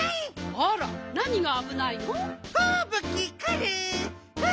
あらなにがあぶないの？